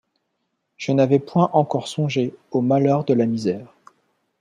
Je n’avais point encore songé aux malheurs de la misère.